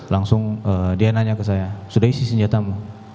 langsung dia nanya ke saya sudah isi senjatamu